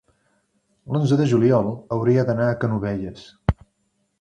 l'onze de juliol hauria d'anar a Canovelles.